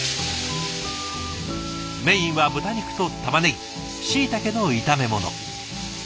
メインは豚肉とたまねぎしいたけの炒め物。